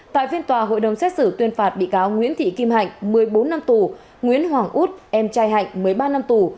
tại phiên tòa hội đồng xét xử tuyên phạt bị cáo nguyễn thị kim hạnh một mươi bốn năm tù nguyễn hoàng út em trai hạnh một mươi ba năm tù